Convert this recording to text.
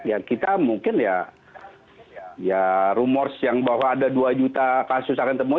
ya kita mungkin ya rumor bahwa ada dua juta kasus akan ditemukan